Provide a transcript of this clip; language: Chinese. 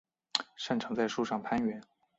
擅长在树上攀援。